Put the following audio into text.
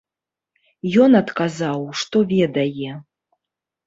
Ён адказаў, што ведае.